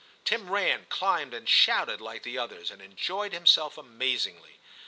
Tim ran, climbed, and shouted like the others, and enjoyed himself amazingly.